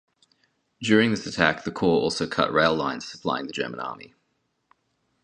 During this attack, the Corps also cut rail lines supplying the German Army.